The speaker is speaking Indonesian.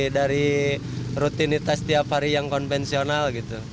dari rutinitas tiap hari yang konvensional gitu